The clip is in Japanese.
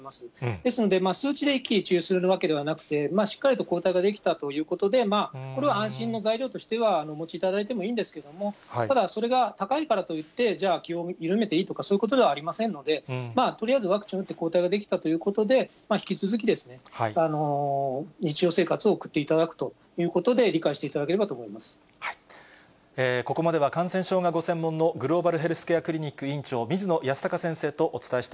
ですので、数値で一喜一憂するわけではなくて、しっかりと抗体が出来たということで、これは安心の材料としてはお持ちいただいてもいいんですけども、ただ、それが高いからといって、じゃあ気を緩めていいとか、そういうことではありませんので、まあ、とりあえずワクチンを打って抗体が出来たということで、引き続き、日常生活を送っていただくということで理解していただければと思ここまでは感染症がご専門の、グローバルヘルスケアクリニック院長、水野泰孝先生とお伝えして